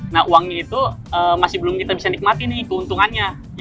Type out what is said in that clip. nah uangnya itu masih belum kita bisa nikmati nih keuntungannya